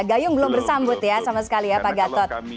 gayung belum bersambut ya sama sekali ya pak gatot